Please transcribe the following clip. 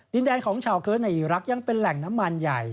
ดินแดนของชาวเคิร์ตในอีรักษ์ยังเป็นแหล่งน้ำมันใหญ่